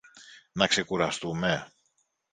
να ξεκουραστούμε;